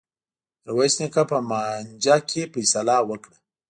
میرويس نیکه په مانجه کي فيصله وکړه.